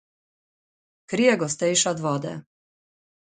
Kri je gostejša od vode.